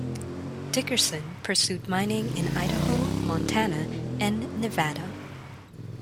Dickerson pursued mining in Idaho, Montana, and Nevada.